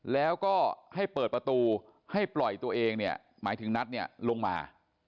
แล้วก็ให้เปิดประตูให้ปล่อยตัวเองหมายถึงนัดลงมา